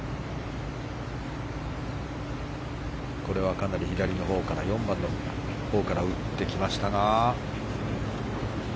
これはかなり左のほう４番のほうから打ってきましたが。